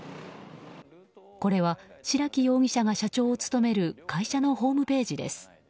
これは白木容疑者が社長を務める会社のホームページです。